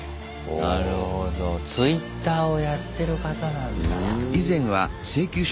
なるほどツイッターをやってる方なんだ。